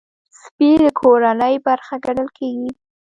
سپي د کورنۍ برخه ګڼل کېږي.